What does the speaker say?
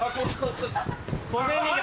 小銭が！